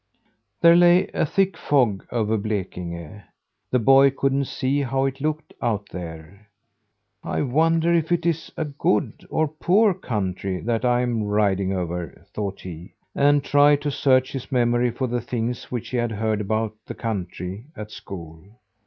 There lay a thick fog over Blekinge. The boy couldn't see how it looked out there. "I wonder if it is a good, or a poor country that I'm riding over," thought he, and tried to search his memory for the things which he had heard about the country at school.